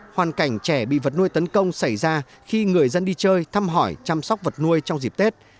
hoàn cảnh trẻ bị vật nuôi tấn công xảy ra khi người dân đi chơi thăm hỏi chăm sóc vật nuôi trong dịp tết